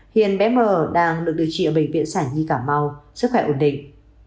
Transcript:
hiện bé m đang được điều trị ở bệnh viện sản nhi cà mau sức khỏe ổn định